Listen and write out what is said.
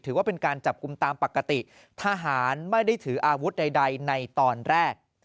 ถือว่าเป็นการจับกลุ่มตามปกติทหารไม่ได้ถืออาวุธใดในตอนแรก